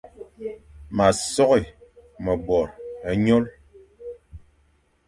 Ma sôghé mebor e nyôl,